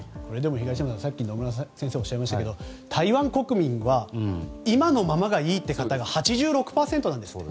東山さん、さっき野村先生がおっしゃいましたけど台湾国民は今のままがいいという方が８６％なんです。